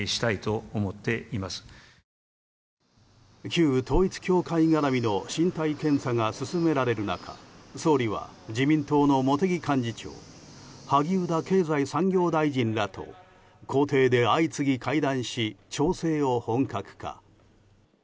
旧統一教会絡みの身体検査が進められる中総理は自民党の茂木幹事長萩生田経済産業大臣らと公邸で相次ぎ会談し調整を本格化。